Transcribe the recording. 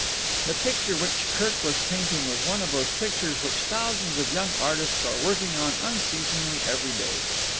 The picture which Kirk was painting was one of those pictures which thousands of young artists are working on unceasingly every day.